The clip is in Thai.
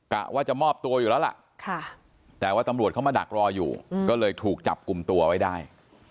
ว่าจะมอบตัวอยู่แล้วล่ะแต่ว่าตำรวจเขามาดักรออยู่ก็เลยถูกจับกลุ่มตัวไว้ได้